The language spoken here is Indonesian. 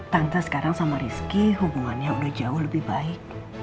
tante sekarang sama rizky hubungannya udah jauh lebih baik